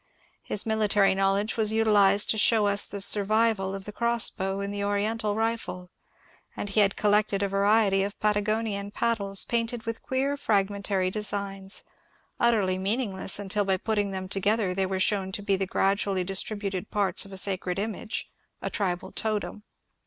His mili tary knowledge was utilized to show us the ^^ survival " of the cross bow in the Oriental rifle ; and he had collected a variety of Patagonian paddles painted with queer fragmentary designs, utterly meaningless imtil by putting them together they were shown to be the gradually distributed parts of a sacred image — a tribal totem.